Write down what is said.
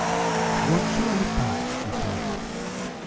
"What shall I buy?" she thought.